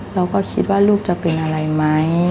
เราก็คิดว่าลูกจะเป็นอะไรไหม